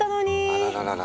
あらららら。